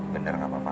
bener gak apa apa